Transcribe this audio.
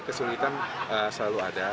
kesulitan selalu ada